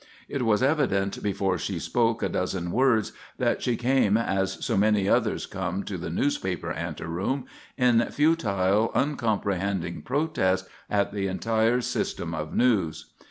It was evident before she spoke a dozen words that she came as so many others come to the newspaper ante room: in futile, uncomprehending protest at the entire system of News.